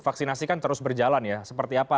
vaksinasi kan terus berjalan ya seperti apa